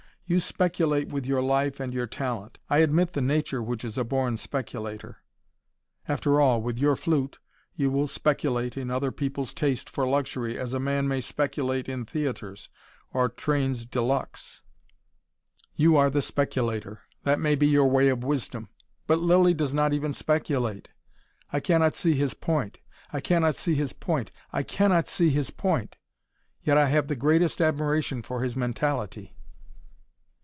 You speculate with your life and your talent. I admit the nature which is a born speculator. After all, with your flute, you will speculate in other people's taste for luxury, as a man may speculate in theatres or trains de luxe. You are the speculator. That may be your way of wisdom. But Lilly does not even speculate. I cannot see his point. I cannot see his point. I cannot see his point. Yet I have the greatest admiration for his mentality."